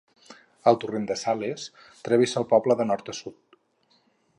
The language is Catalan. El Torrent de Sales travessa el poble de nord a sud.